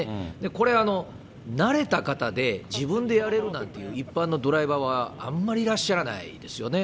これ、慣れた方で、自分でやれるなんていう一般のドライバーはあんまりいらっしゃらないですよね。